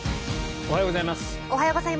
おはようございます。